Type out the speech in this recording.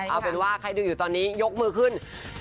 เอาเป็นว่าใครดูอยู่ตอนนี้ยกมือขึ้น